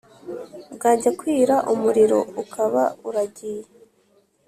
, bwajya kwira umuriro ukaba uragiye